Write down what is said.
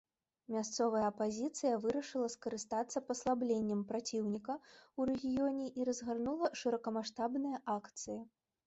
Мясцовая апазіцыя вырашыла скарыстацца паслабленнем праціўніка ў рэгіёне і разгарнула шырокамаштабныя акцыі.